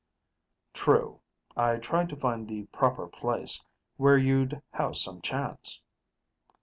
"True. I tried to find the proper place, where you'd have some chance."